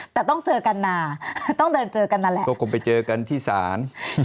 แต่ต้องเจอกันนาต้องเดินเจอกันนั่นแหละก็คงไปเจอกันที่ศาล